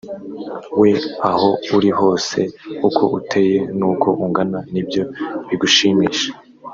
we aho uri hose uko uteye n uko ungana nibyo bigushimisha